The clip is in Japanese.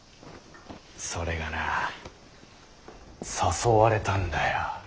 それがな誘われたんだよ。